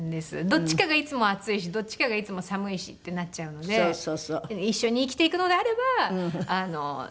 どっちかがいつも暑いしどっちかがいつも寒いしってなっちゃうので一緒に生きていくのであれば寒がりな人がいいなっていう。